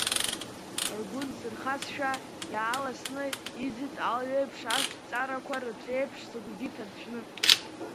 Ргәы нсырхазшәа иааласны, иӡит алҩеиԥш ажәҵарақәа, рыҭреиԥш сыгәгьы ҭарцәны.